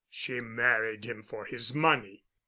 "She married him for his money."